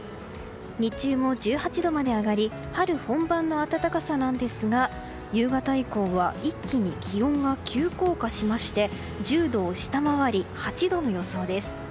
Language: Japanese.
日中も１８度まで上がり春本番の暖かさなんですが夕方以降は一気に気温が急降下しまして１０度を下回り８度の予想です。